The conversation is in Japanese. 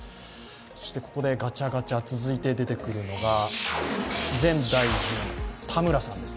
そしてここでガチャガチャ、続いて出てくるのが前大臣の田村さんです。